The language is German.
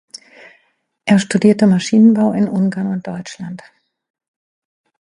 Er studierte Maschinenbau in Ungarn und Deutschland.